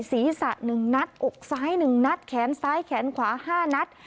ศรีศะหนึ่งนัดอกซ้ายหนึ่งนัดแขนซ้ายแขนขวาห้านัด